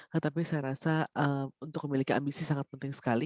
tetapi saya rasa untuk memiliki ambisi sangat penting sekali